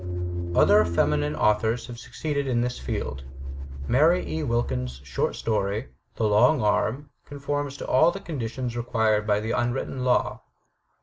Other feminine authors have succeeded in this field. Mary E. Wilkins* short story, "The Long Arm/' conforms to all the conditions required by the imwritten law.